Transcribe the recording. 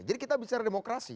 jadi kita bicara demokrasi